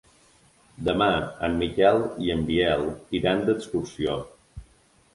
Demà en Miquel i en Biel iran d'excursió.